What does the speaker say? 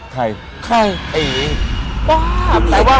ใคร